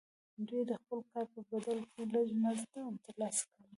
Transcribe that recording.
دوی د خپل کار په بدل کې لږ مزد ترلاسه کوي